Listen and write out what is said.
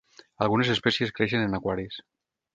Algunes espècies creixen en aquaris.